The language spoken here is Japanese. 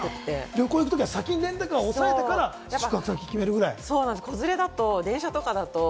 旅行に行くときは先にレンタカーをおさえて、宿泊を決めるくらい。